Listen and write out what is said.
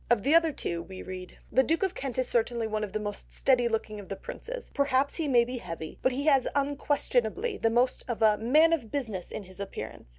Of the other two we read:— "The duke of Kent is certainly one of the most steady looking of the princes, perhaps he may be heavy, but he has unquestionably the most of a Man of Business in his Appearance."